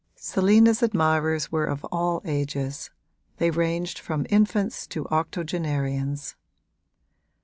Selina's admirers were of all ages they ranged from infants to octogenarians.